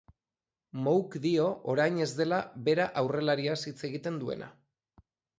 Mouk dio orain ez dela bera aurrelariaz hitz egiten duena.